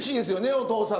お父さん